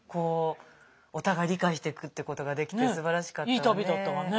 お互い理解していくってことができてすばらしかったわね。